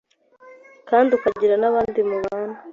kandi ukagira n’abandi mubana